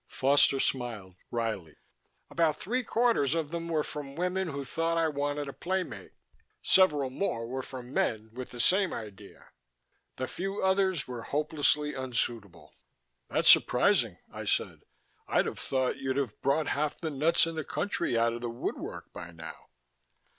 Foster smiled wryly. "About three quarters of them were from women who thought I wanted a playmate. Several more were from men with the same idea. The few others were hopelessly unsuitable." "That's surprising," I said. "I'd have thought you'd have brought half the nuts in the country out of the woodwork by now."